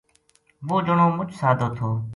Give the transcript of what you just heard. وہ جنو مُچ سادو تھو